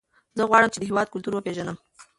زه غواړم چې د هېواد کلتور وپېژنم.